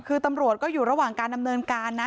คือตำรวจก็อยู่ระหว่างการดำเนินการนะ